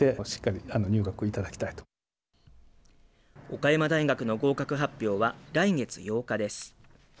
岡山大学の合格発表は来月８日です。